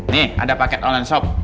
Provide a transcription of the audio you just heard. nih ada paket online shop